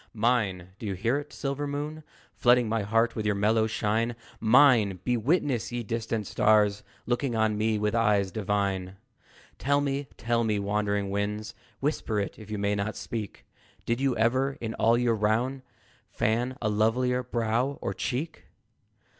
Mine! Do you hear it, silver moon, Flooding my heart with your mellow shine? Mine! Be witness, ye distant stars, Looking on me with eyes divine! Tell me, tell me, wandering winds, Whisper it, if you may not speak Did you ever, in all your round, Fan a lovelier brow or cheek?